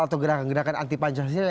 atau gerakan gerakan anti pancasila